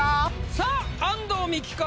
⁉さあ安藤美姫か？